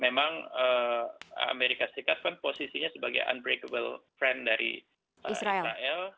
memang amerika serikat kan posisinya sebagai unbreagable friend dari israel